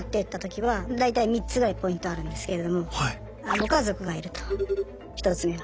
ご家族がいると１つ目は。